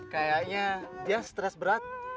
kayaknya dia stress berat